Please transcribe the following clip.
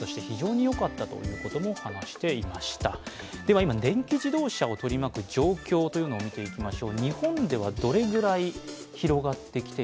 今、電気自動車を取り巻く状況というのを見ていきましょう。